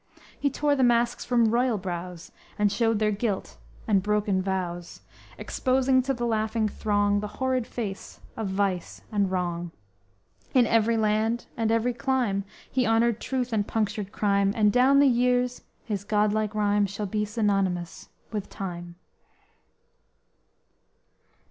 He tore the masks from royal brows And showed their guilt and broken vows, Exposing to the laughing throng The horrid face of vice and wrong. In every land and every clime, He honored truth and punctured crime, And down the years his god like rhyme Shall be synonymous with Time!